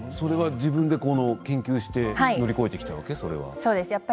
自分で研究して乗り越えてきたわけ？